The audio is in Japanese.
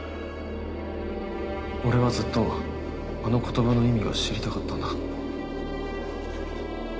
俺はずっとあの言葉の意味が知りたかったんだ。